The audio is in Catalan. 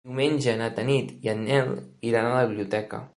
Diumenge na Tanit i en Nel iran a la biblioteca.